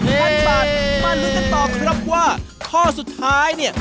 พันบาทมาลุ้นกันต่อครับว่าข้อสุดท้ายเนี่ย